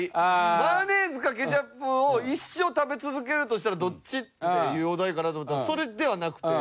「マヨネーズかケチャップを一生食べ続けるとしたらどっち？」っていうお題かなと思ったらそれではなくて。